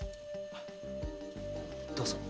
どうぞ。